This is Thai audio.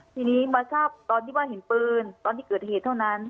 ทีนี้มาทราบตอนที่ว่าเห็นปืนตอนที่เกิดเหตุเท่านั้น